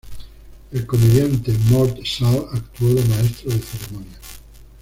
El comediante Mort Sahl actuó de maestro de ceremonias.